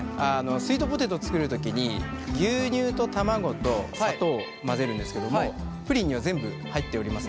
スイートポテト作る時に牛乳と卵と砂糖を混ぜるんですけどもプリンには全部入っておりますので。